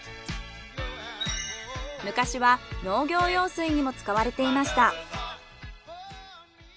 昔は農業用水にも使われていました。